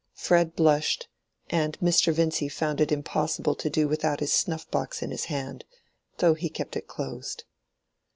Fred blushed, and Mr. Vincy found it impossible to do without his snuff box in his hand, though he kept it closed.